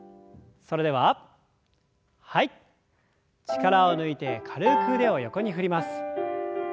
力を抜いて軽く腕を横に振ります。